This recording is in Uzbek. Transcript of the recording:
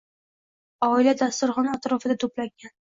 Oila dasturxon atrofida to‘plangan